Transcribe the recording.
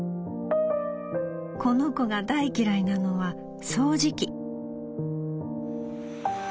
この子が大嫌いなのは掃除機』」。